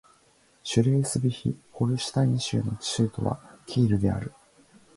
シュレースヴィヒ＝ホルシュタイン州の州都はキールである